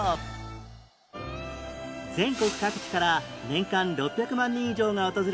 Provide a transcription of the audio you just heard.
全国各地から年間６００万人以上が訪れ